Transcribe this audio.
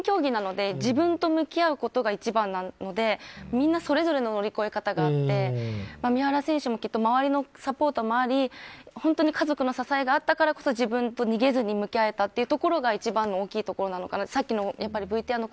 本当に個人競技なので自分と向き合うことが一番なのでみんなそれぞれの乗り越え方があって三原選手もきっと周りのサポートもあり本当に家族の支えがあったからこそ逃げずに向き合えたというところが一番の大きいところなのかなと。